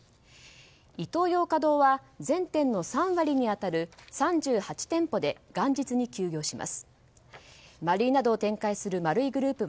イトーヨーカドーは全店の３割に当たる３８店舗で元日に休業します。